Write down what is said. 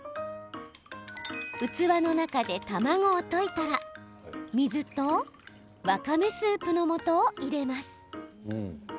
器の中で卵を溶いたら水とわかめスープのもとを入れます。